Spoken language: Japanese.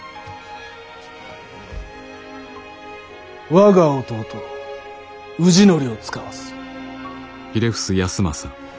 我が弟氏規を遣わす。